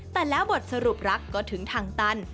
แต่แล้วบทสรุปรักก็ถึงทางตัน